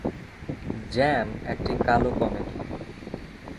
Jam একটি কালো comedy.